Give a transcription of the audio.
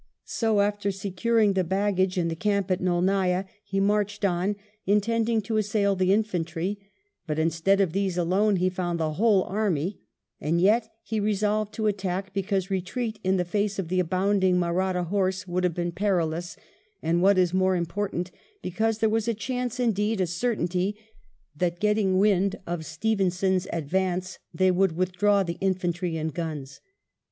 So, after securing the baggage in the camp at Naulniah, he marched on, intending to assail the infantry ; but instead of these alone, he found the whole army, and yet he resolved to attack, because retreat in the face of the abounding Mahratta horse would have been perilous, and^ what is more important, because there was a chance, indeed a certainty that getting wind of Stevenson's advance, they would withdraw the infantry and guns.